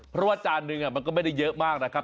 เพราะว่าจานนึงมันก็ไม่ได้เยอะมากนะครับ